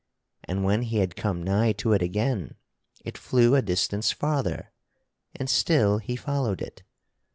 And when he had come nigh to it again it flew a distance farther and still he followed it.